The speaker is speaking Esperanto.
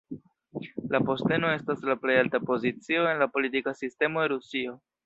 La posteno estas la plej alta pozicio en la politika sistemo de Rusio.